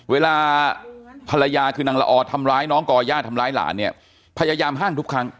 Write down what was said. เวลาภรรยาคือนางละออทำร้ายน้องก่อย่าทำร้ายหลานเนี่ยพยายามห้ามทุกครั้ง